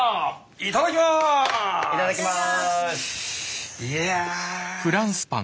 いただきます。